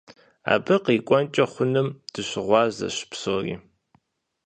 Абы кърикӀуэнкӀэ хъунум дыщыгъуазэщ псори.